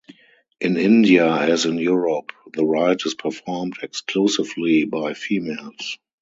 In India, as in Europe, the rite is performed exclusively by females.